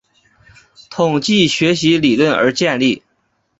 统计学习理论而建立。